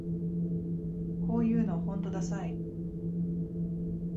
こういうのほんとダサい